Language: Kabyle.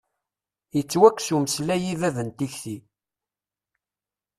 Yettwakkes umeslay i bab n tikti.